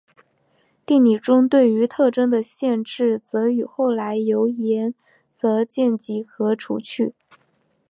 定理中对于特征的限制则与后来由岩泽健吉和除去。